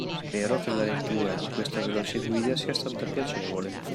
Spero che la lettura di questa veloce guida sia stata piacevole.